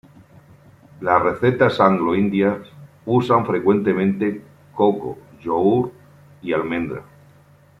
Las recetas anglo-indias usan frecuentemente coco, yogur y almendra.